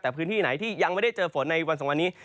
แต่พื้นที่ไหนที่ยังไม่ได้เจอฝนในวันสองวันนี้